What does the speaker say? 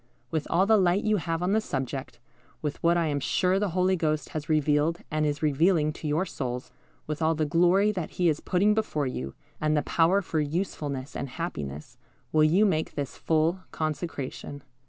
With all the light you have on the subject, with what I am sure the Holy Ghost has revealed and is revealing to your souls, with all the glory that He is putting before you, and the power for usefulness and happiness, will you make this full consecration?